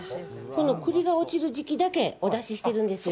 この栗が落ちる時期だけお出ししているんですよ。